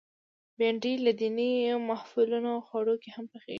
بېنډۍ له دینی محفلونو خوړو کې هم پخېږي